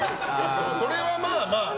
それは、まあまあ。